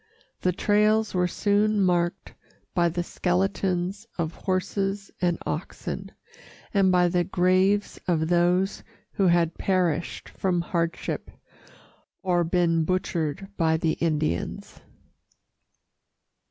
The trails were soon marked by the skeletons of horses and oxen, and by the graves of those who had perished from hardship or been butchered by the Indians.